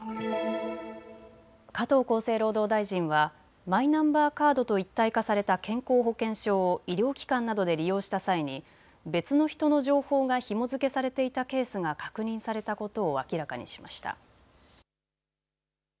加藤厚生労働大臣はマイナンバーカードと一体化された健康保険証を医療機関などで利用した際に別の人の情報がひも付けされていたケースが確認されたことを明らかにしました。